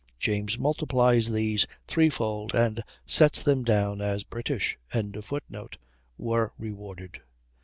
James multiplies these threefold and sets them down as British.] were rewarded.